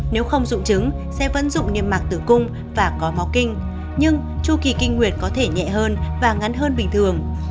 nếu không dung trứng sẽ vẫn dụng niềm mạc tử cung và có mó kinh nhưng chu kỳ kinh nguyệt có thể nhẹ hơn và ngắn hơn bình thường